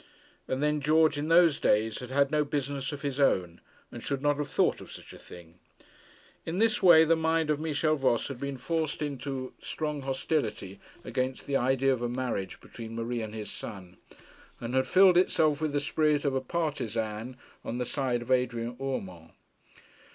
And then George in those days had had no business of his own, and should not have thought of such a thing! In this way the mind of Michel Voss had been forced into strong hostility against the idea of a marriage between Marie and his son, and had filled itself with the spirit of a partisan on the side of Adrian Urmand.